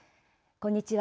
こんにちは。